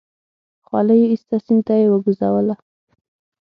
خولۍ يې ايسته سيند ته يې وگوزوله.